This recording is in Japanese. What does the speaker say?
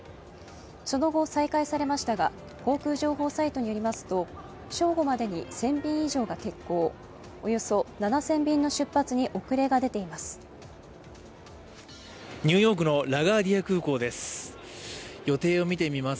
その後、再開されましたが、航空情報サイトによりますと正午までに１０００便以上が欠航、およそ７０００便の出発に遅れが出ています。